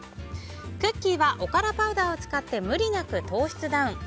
クッキーはおからパウダーを使って無理なく糖質ダウン。